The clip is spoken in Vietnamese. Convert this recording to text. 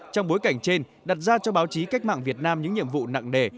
trong bối cảnh trên đặt ra cho báo chí cách mạng việt nam những nhiệm vụ nặng đề